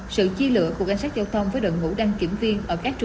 sự chi lựa của cảnh sát giao thông với đợt ngũ đăng kiểm viên